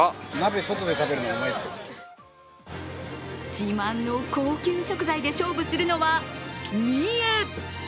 自慢の高級食材で勝負するのは三重。